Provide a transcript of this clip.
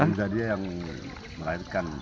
diduga dia yang melahirkan